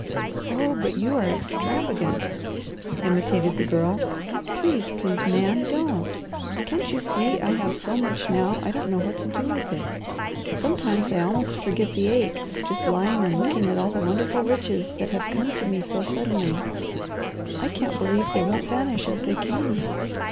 "Oh but you are extravagant!" imitated the Girl. "Please, please, Man, don't! Can't you see I have so much now I don't know what to do with it? Sometimes I almost forget the ache, just lying and looking at all the wonderful riches that have come to me so suddenly. I can't believe they won't vanish as they came.